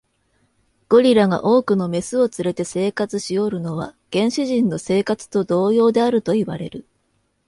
ゴリラが多くの牝を連れて生活しおるのは、原始人の生活と同様であるといわれる。